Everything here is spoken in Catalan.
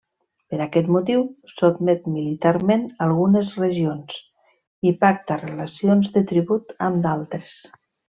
Per aquest motiu, sotmet militarment algunes regions i pacta relacions de tribut amb d'altres.